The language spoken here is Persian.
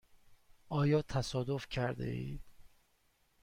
آیا تصادف کرده اید؟